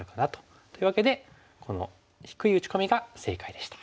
というわけでこの低い打ち込みが正解でした。